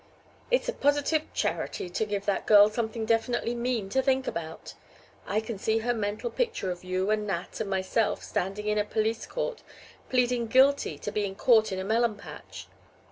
It's a positive charity to give that girl something definitely mean to think about. I can see her mental picture of you and Nat and myself standing in a police court pleading 'Guilty' to being caught in a melon patch.